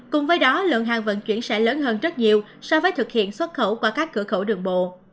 cùng với đó lượng hàng vận chuyển sẽ lớn hơn rất nhiều so với thực hiện xuất khẩu qua các cửa khẩu đường bộ